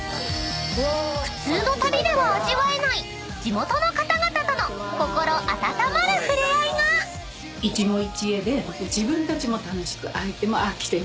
［普通の旅では味わえない地元の方々との心温まるふれ合いが］いい！